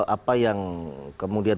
apa yang kemudian